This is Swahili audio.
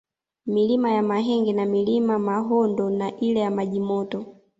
Milima ya Mahenge na Mlima Mahondo na ile ya Maji Moto